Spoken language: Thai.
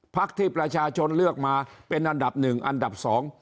พักที่ประชาชนเลือกมาเป็นอันดับหนึ่งอันดับสอง